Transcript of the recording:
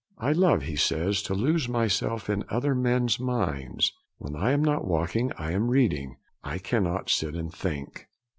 'I love,' he says, 'to lose myself in other men's minds. When I am not walking, I am reading; I cannot sit and think.